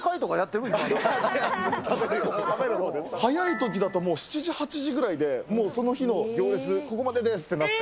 早いときだともう７時、８時ぐらいでもう、その日の、ここまでですってなって。